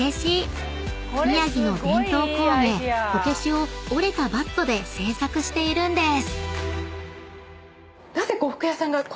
［宮城の伝統工芸こけしを折れたバットで制作しているんです］